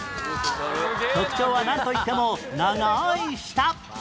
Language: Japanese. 特徴はなんといっても長い舌